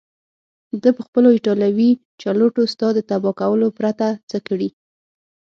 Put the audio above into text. ده پخپلو ایټالوي چلوټو ستا د تباه کولو پرته څه کړي.